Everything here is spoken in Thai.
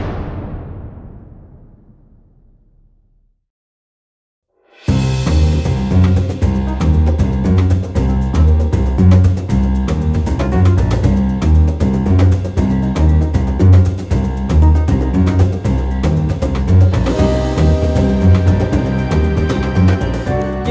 ตื่นเต้นครับตื่นเต้น